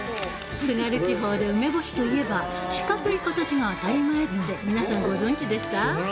津軽地方で梅干しといえば四角い形が当たり前って皆さん、ご存じでした？